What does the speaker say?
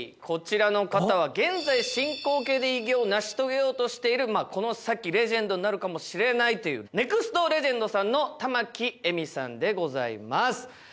こちらの方は、現在進行形で偉業を成し遂げようとしている、この先、レジェンドになるかもしれないという、ネクストレジェンドさんの玉城絵美さんでございます。